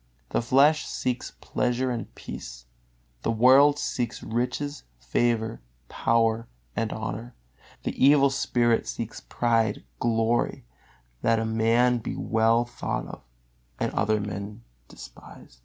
The flesh seeks pleasure and peace, the world seeks riches, favor, power and honor, the evil spirit seeks pride, glory, that a man be well thought of, and other men be despised.